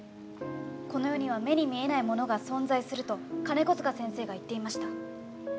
「この世には目に見えないものが存在すると金子塚先生が言っていました」